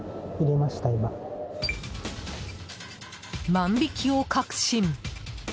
万引きを確信。